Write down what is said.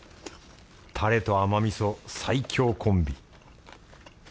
タレと甘味噌最強コンビ。